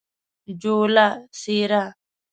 جوله : څیره